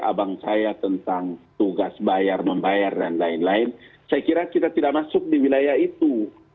abang saya tentang tugas bayar membayar dan lain lain saya kira kita tidak masuk di wilayah itu